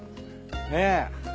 ねえ。